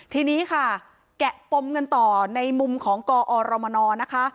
ทีนี้ค่ะแกะปมกันต่อในมุมของกอรมนนะคะ